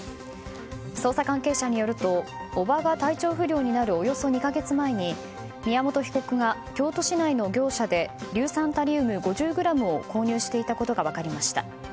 捜査関係者によると叔母が体調不良になるおよそ２か月前に、宮本被告が京都市内の業者で硫酸タリウム５０ｇを購入していたことが分かりました。